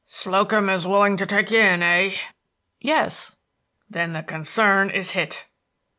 "Slocum is willing to take you in, eh?" "Yes." "Then the concern is hit."